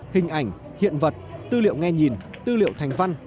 hình ảnh hiện vật tư liệu nghe nhìn tư liệu thành văn